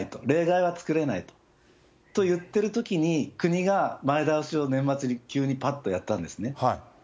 例外は作れないといってるときに、国が前倒しを年末に、急にぱっとやったんですね。